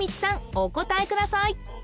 お答えください